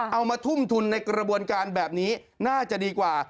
เอามาทุ่มทุนในกระบวนการแบบนี้น่าจะดีกว่า